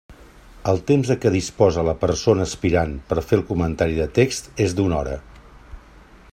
El temps de què disposa la persona aspirant per fer el comentari de text és d'una hora.